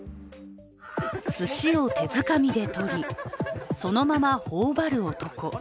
すしを手づかみで取り、そのままほおばる男。